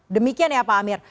demikian ya pak amir